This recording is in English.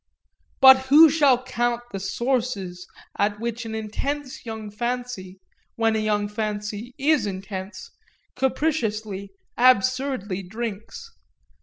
But who shall count the sources at which an intense young fancy (when a young fancy is intense) capriciously, absurdly drinks?